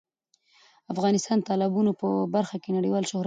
افغانستان د تالابونو په برخه کې نړیوال شهرت لري.